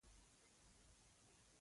په هماغه شېبه کې و چې زه پر تا مینه شوم.